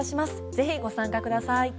ぜひご参加ください。